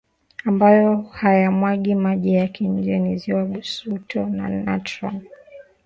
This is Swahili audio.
ambayo hayamwagi maji yake nje ni ziwa Basuto na Natron